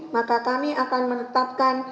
maka kami akan menetapkan